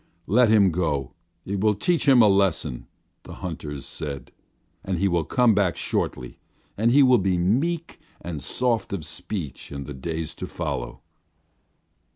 "Let him go; it will teach him a lesson," the hunters said. "And he will come back shortly, and he will be meek and soft of speech in the days to follow."